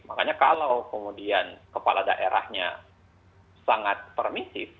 makanya kalau kemudian kepala daerahnya sangat permisif